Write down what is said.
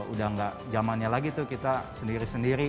udah gak zamannya lagi tuh kita sendiri sendiri